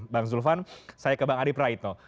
bang zulfan saya ke bang adi praitno